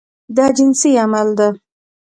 دا جنسي عمل ده.